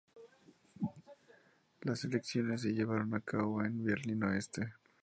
Las elecciones se llevaron a cabo en Berlín Oeste.